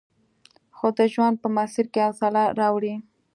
خوب د ژوند په مسیر کې حوصله راوړي